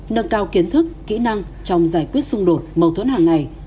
nâng cao kiến thức kỹ năng trong giải quyết xung đột mâu thuẫn hàng ngày